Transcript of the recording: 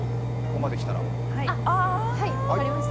はい、分かりました。